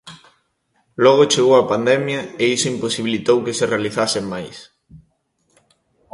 Logo chegou a pandemia e iso imposibilitou que se realizasen máis.